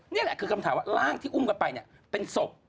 นี่แหละคือคำถามว่าร่างที่อุ้มกันไปเนี่ยเป็นศพ